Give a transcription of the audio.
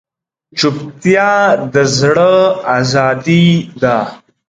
چوپتیا، د زړه ازادي ده.